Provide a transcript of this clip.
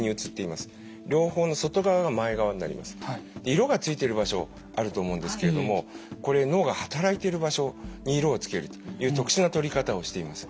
色がついてる場所あると思うんですけれどもこれ脳が働いている場所に色をつけるという特殊な撮り方をしています。